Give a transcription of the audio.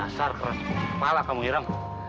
dasar keras kepala kamu hiram